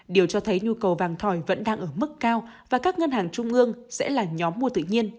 điều cho thấy nhu cầu vàng thỏi vẫn đang ở mức cao và các ngân hàng trung ương sẽ là nhóm mua tự nhiên